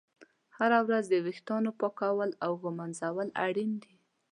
هره ورځ د ویښتانو پاکول او ږمنځول اړین دي.